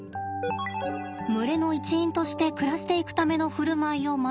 群れの一員として暮らしていくための振る舞いを学ぶ